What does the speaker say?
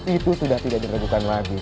itu sudah tidak diregukan lagi